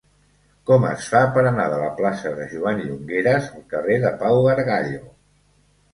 Com es fa per anar de la plaça de Joan Llongueras al carrer de Pau Gargallo?